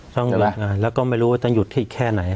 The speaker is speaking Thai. ต้องหยุดงานแล้วก็ไม่รู้ว่าจะหยุดที่แค่ไหน